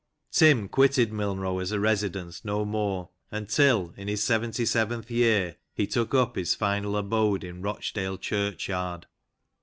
Tim quitted Milnrow as a residence no more, until, in his 77 th year, he took up his final abode in Rochdale Church yard.